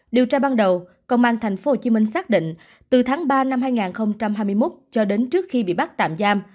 điều tra ban đầu công an tp hcm xác định từ tháng ba năm hai nghìn hai mươi một cho đến trước khi bị bắt tạm giam